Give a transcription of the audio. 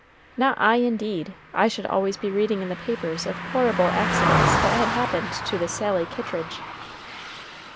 "Not I, indeed. I should always be reading in the papers of horrible accidents that had happened to the 'Sally Kittridge.'"